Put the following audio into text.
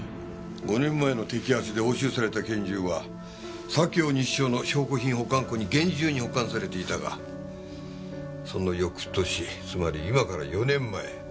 ５年前の摘発で押収された拳銃は左京西署の証拠品保管庫に厳重に保管されていたがその翌年つまり今から４年前。